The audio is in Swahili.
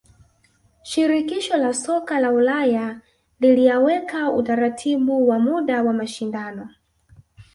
shirikisho la soka la ulaya liliaweka utaratibu wa muda wa mashindano